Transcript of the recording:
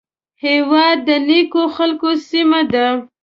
هېواد د نیکو خلکو سیمه ده